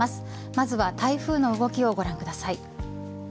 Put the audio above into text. まずは台風の動きをご覧ください。